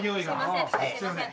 すいません。